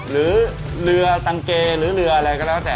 หรือเรือตังเกหรือเรืออะไรก็แล้วแต่